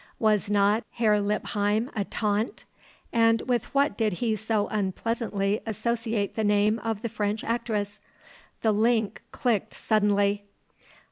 Was not Herr Lippheim a taunt? And with what did he so unpleasantly associate the name of the French actress? The link clicked suddenly.